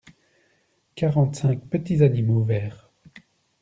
Quarante-cinq petits animaux verts.